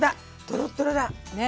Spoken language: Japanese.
トロットロだ。ね。